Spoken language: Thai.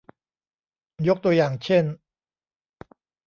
ยกตัวอย่างเช่น